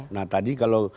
nah tadi kalau